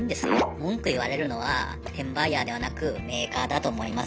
文句言われるのは転売ヤーではなくメーカーだと思います。